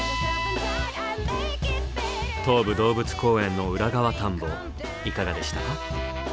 東武動物公園の裏側探訪いかがでしたか？